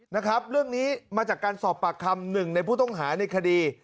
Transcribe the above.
นะครับเรื่องนี้มาจากการสอบปากคำหนึ่งในผู้ต้องหาในคดี